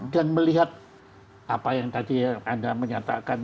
dan melihat apa yang tadi anda menyatakan